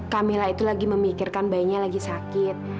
camilla itu lagi memikirkan bayinya lagi sakit